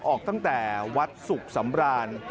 ออกตั้งแต่วัดสุขสำราญ